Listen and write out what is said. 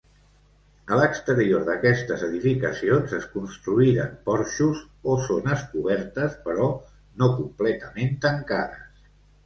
A l'exterior d'aquestes edificacions es construïren porxos o zones cobertes però no completament tancades.